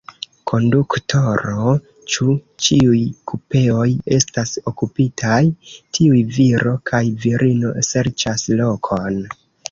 Konduktoro, ĉu ĉiuj kupeoj estas okupitaj? tiuj viro kaj virino serĉas lokon.